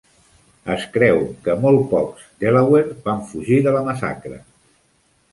Es creu que molt pocs delaware van fugir de la massacre.